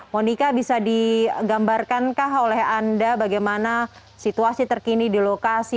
monika bisa digambarkankah oleh anda bagaimana situasi terkini di lokasi